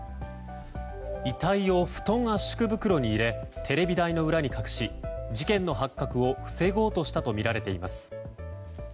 遺体を布団圧縮袋に入れテレビ台の裏に隠し事件の発覚を防ごうとしたとみられています。